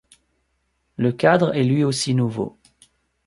Le cadre est lui aussi nouveau.